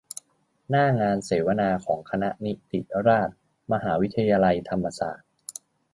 หน้างานเสวนาของคณะนิติราษฎร์ มหาวิทยาลัยธรรมศาสตร์